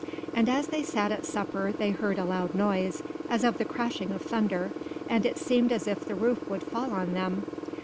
And as they sat at supper they heard a loud noise, as of the crashing of thunder, and it seemed as if the roof would fall on them.